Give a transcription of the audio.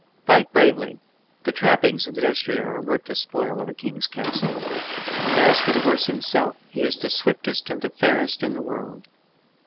Fight bravely. The trappings of the destrier are worth the spoil of a king's castle, and as for the horse himself he is the swiftest and the fairest in the world.